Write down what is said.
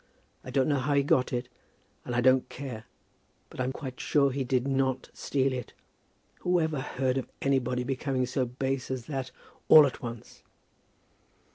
I don't know how he got it, and I don't care; but I'm quite sure he did not steal it. Whoever heard of anybody becoming so base as that all at once?"